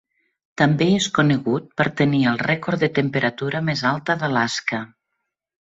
També és conegut per tenir el rècord de temperatura més alta d'Alaska.